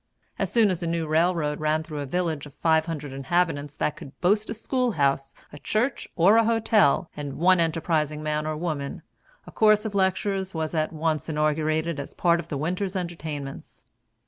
As soon as a new railroad ran through a village of five hundred inhabitants that could boast a schoolhouse, a church, or a hotel, and one enterprising man or woman, a course of lectures was at once inaugurated as a part of the winter's entertainments.